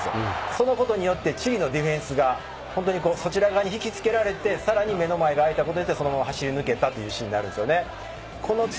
そのことによってチリのディフェンスが本当にそちら側に引き付けられて、さらに目の前が空いたことで、そのまま走り抜けたというシーンです。